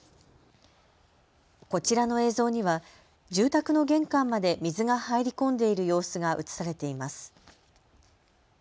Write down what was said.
こちらの映像には住宅の玄関まで水が入り込んでいる様子が映されています。